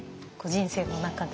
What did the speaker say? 人生の中で。